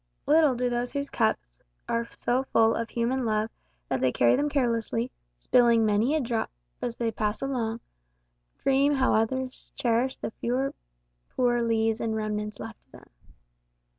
Little do those whose cups are so full of human love that they carry them carelessly, spilling many a precious drop as they pass along, dream how others cherish the few poor lees and remnants left to them.